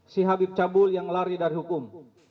si habib cabul yang lari dari hukum